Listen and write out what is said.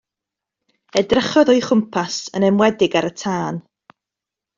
Edrychodd o'i chwmpas, yn enwedig ar y tân.